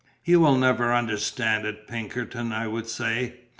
"You will never understand it, Pinkerton," I would say.